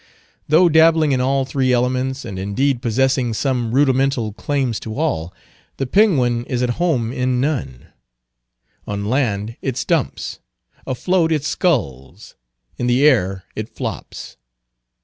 Though dabbling in all three elements, and indeed possessing some rudimental claims to all, the penguin is at home in none. On land it stumps; afloat it sculls; in the air it flops.